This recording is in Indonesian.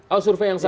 oh survei yang sama